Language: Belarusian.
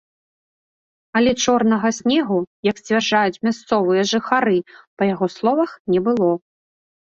Але чорнага снегу, як сцвярджаюць мясцовыя жыхары, па яго словах, не было.